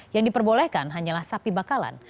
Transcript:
yang diperbolehkan hanyalah sapi bakalan